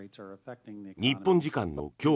日本時間の今日